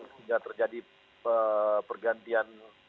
hingga terjadi pergantian